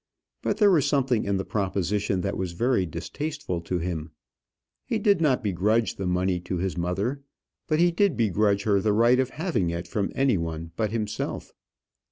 But there was something in the proposition that was very distasteful to him. He did not begrudge the money to his mother; but he did begrudge her the right of having it from any one but himself.